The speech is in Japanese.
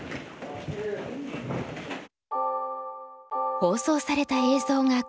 放送された映像がこちら。